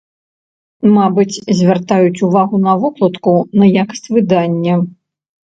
Мабыць, звяртаюць увагу на вокладку, на якасць выдання.